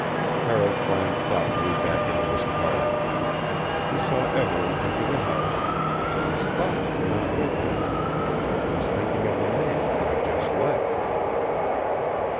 Carroll climbed thoughtfully back into his car. He saw Evelyn enter the house, but his thoughts were not with her. He was thinking of the man who had just left.